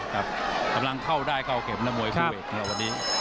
กำลังเข้าได้เข้าเข็มแล้วมวยผู้เอก